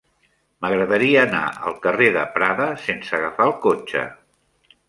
M'agradaria anar al carrer de Prada sense agafar el cotxe.